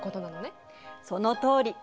そのとおり。